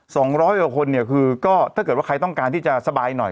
สองร้อยกว่าคนเนี่ยคือก็ถ้าเกิดว่าใครต้องการที่จะสบายหน่อย